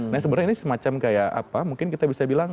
nah sebenarnya ini semacam kayak apa mungkin kita bisa bilang